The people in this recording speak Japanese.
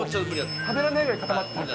食べられないぐらい固まっていた。